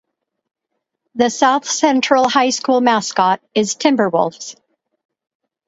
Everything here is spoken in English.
The South Central High School mascot is Timberwolves.